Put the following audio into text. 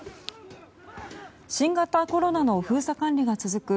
新型コロナの封鎖管理が続く